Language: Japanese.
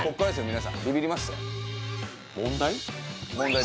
皆さんビビりますよ問題？